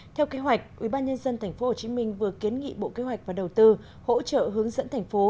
theo kế hoạch ubnd tp hcm vừa kiến nghị bộ kế hoạch và đầu tư hỗ trợ hướng dẫn thành phố